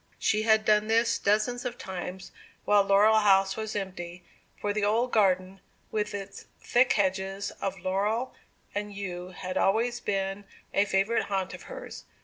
She had done this dozens of times while Laurel House was empty, for the old garden, with its thick hedges of laurel and yew, had always been a favourite haunt of hers.